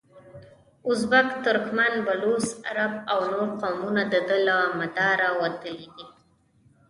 ازبک، ترکمن، بلوڅ، عرب او نور قومونه دده له مداره وتلي دي.